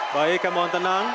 baik ya mohon tenang